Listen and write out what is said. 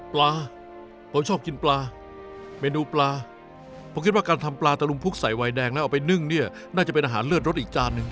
ปลาผมชอบกินปลาเมนูปลาผมคิดว่าการทำปลาตะลุมพุกใส่วัยแดงแล้วเอาไปนึ่งเนี่ยน่าจะเป็นอาหารเลือดรสอีกจานหนึ่ง